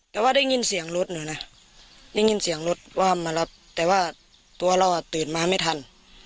แต่ว่าได้ยินเสียงรถหนูนะได้ยินเสียงรถว่ามารับแต่ว่าตัวเราอ่ะตื่นมาไม่ทัน